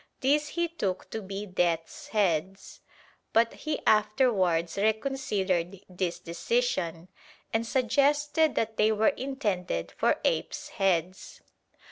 These he took to be death's heads, but he afterwards reconsidered this decision and suggested that they were intended for apes' heads.